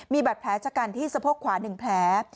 มีบัตรแพ้ชะกันที่สะโพกขวานึงแพ้